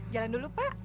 jalan dulu pak